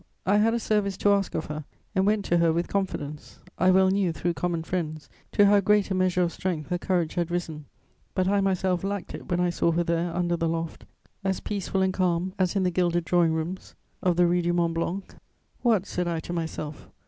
I had a service to ask of her, and went to her with confidence. I well knew, through common friends, to how great a measure of strength her courage had risen, but I myself lacked it when I saw her there, under the loft, as peaceful and calm as in the gilded drawing rooms of the Rue du Mont Blanc. "'What!' said I to myself.